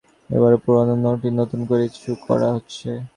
মুদ্রানীতির সঙ্গে সামঞ্জস্য রেখে এবারও পুরোনো নোটই নতুন করে ইস্যু করা হচ্ছে।